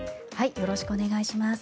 よろしくお願いします。